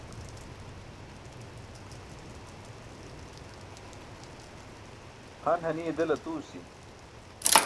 Han haniye del aṭuusi.